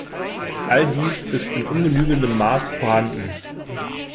All dies ist in ungenügendem Maß vorhanden.